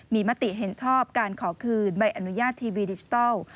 มีมติเห็นชอบการขอคืนใบอนุญาตทีวีดิจิทัล